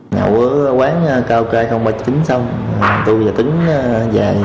ngậu ở quán cao cai ba mươi chín xong tôi và tứng về